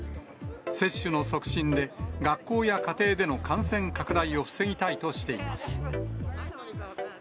接種の促進で、学校や家庭での感染拡大を防ぎたいとしています。